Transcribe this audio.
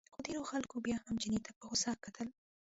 خو ډېرو خلکو بیا هم چیني ته په غوسه کتل.